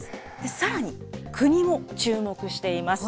さらに、国も注目しています。